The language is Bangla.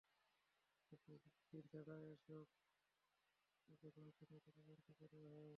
সাপ্তাহিক ছুটির দিন ছাড়া এসব টিকাদান কেন্দ্রে প্রতিদিন টিকা দেওয়া হয়।